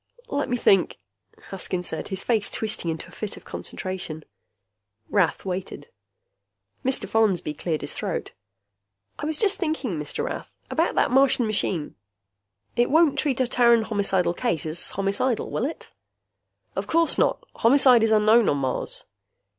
"Let me think!" Haskins said, his face twisting into a fit of concentration. Rath waited. Mr. Follansby cleared his throat. "I was just thinking, Mr. Rath. About that Martian machine. It won't treat a Terran homicidal case as homicidal, will it?" "Of course not. Homicide is unknown on Mars."